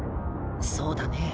そうだね。